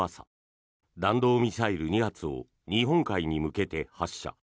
北朝鮮は昨日朝弾道ミサイル２発を日本海に向けて発射。